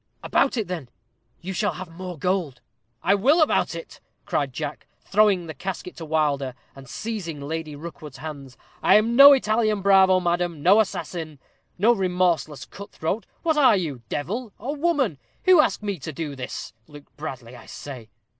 _" "About it, then; you shall have more gold." "I will about it," cried Jack, throwing the casket to Wilder, and seizing Lady Rookwood's hands. "I am no Italian bravo, madam no assassin no remorseless cut throat. What are you devil or woman who ask me to do this? Luke Bradley, I say."